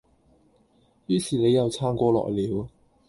於是你又撐過來了